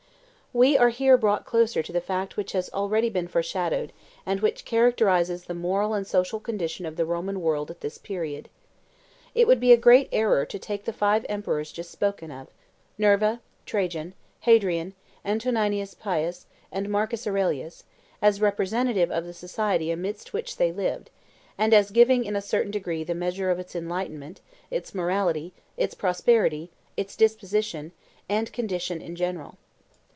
We are here brought closer to the fact which has already been foreshadowed, and which characterizes the moral and social condition of the Roman world at this period. It would be a great error to take the five emperors just spoken of Nerva, Trajan, Hadrian, Antoninus Pius, and Marcus Aurelius as representatives of the society amidst which they lived, and as giving in a certain degree the measure of its enlightenment, its morality, its prosperity, its disposition, and condition in general.